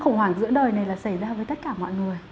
khủng hoảng giữa đời này là xảy ra với tất cả mọi người